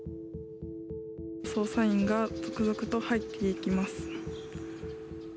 捜査員が続々と入っていきます。